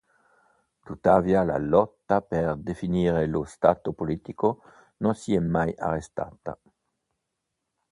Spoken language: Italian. Tuttavia la "lotta" per definire lo stato politico non si è mai arrestata.